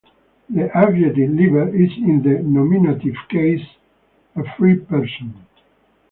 The adjective "Liber" is in the nominative case, "a free person".